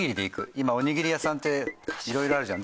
今おにぎり屋さんって色々あるじゃん。